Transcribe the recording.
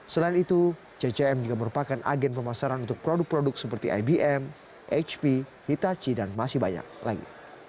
selain itu ccm juga merupakan agen pemasaran untuk produk produk seperti ibm hp hitachi dan masih banyak lagi